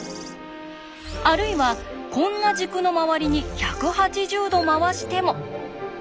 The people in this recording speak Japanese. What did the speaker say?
あるいはこんな軸の周りに１８０度回しても。